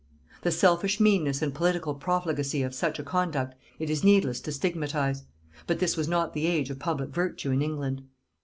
The selfish meanness and political profligacy of such a conduct it is needless to stigmatize; but this was not the age of public virtue in England.